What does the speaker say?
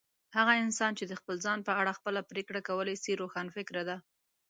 هغه انسان چي د خپل ځان په اړه خپله پرېکړه کولای سي، روښانفکره دی.